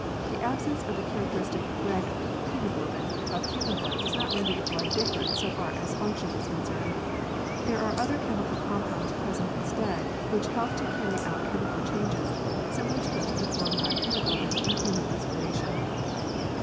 The absence of the characteristic red haemoglobin of human blood does not render the blood different so far as function is concerned. There are other chemical compounds present instead, which help to carry out chemical changes similar to those performed by haemoglobin in human respiration.